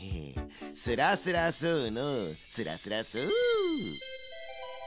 スラスラスのスラスラス！